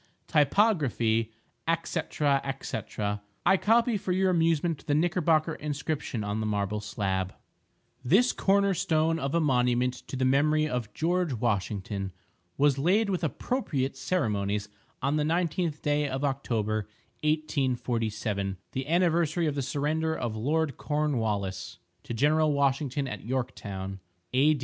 typography, &c., &c. I copy for your amusement the Knickerbocker inscription on the marble slab:— This Corner Stone of a Monument to The Memory of GEORGE WASHINGTON Was Laid With Appropriate Ceremonies on the 19th Day of October, 1847 The anniversary of the surrender of Lord Cornwallis to General Washington at Yorktown A.